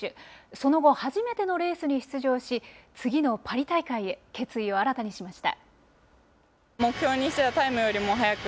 その後、初めてのレースに出場し、次のパリ大会へ、決意を新たにしました。